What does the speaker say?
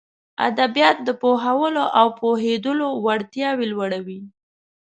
ادبيات د پوهولو او پوهېدلو وړتياوې لوړوي.